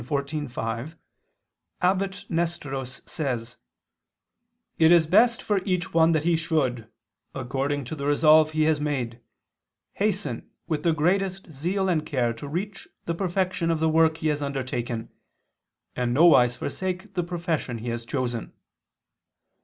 xiv, 5) Abbot Nesteros says: "It is best for each one that he should, according to the resolve he has made, hasten with the greatest zeal and care to reach the perfection of the work he has undertaken, and nowise forsake the profession he has chosen."